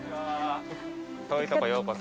遠いとこようこそ。